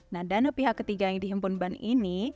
nah dana pihak ketiga yang dihimpun ban ini